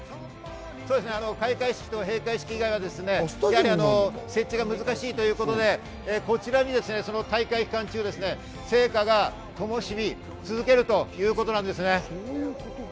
開会式、閉会式以外は設置が難しいということで、こちらに大会期間中、聖火を灯し続けるということです。